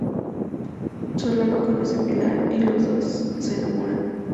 Solano conoce Pilar y los dos de enamoran.